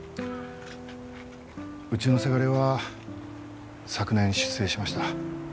うちのせがれは昨年出征しました。